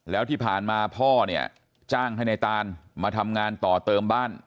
แล้วที่ผ่านมาพ่อเนี่ยจ้างให้ในตานมาทำงานต่อเติมบ้าน